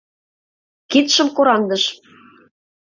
— кидшым кораҥдыш.